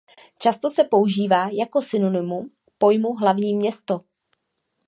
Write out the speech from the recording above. Často se používá jako synonymum pojmu hlavní město.